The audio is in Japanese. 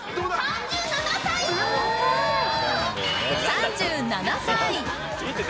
３７歳！